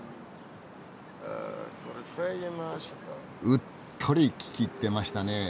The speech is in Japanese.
うっとり聞き入ってましたねぇ。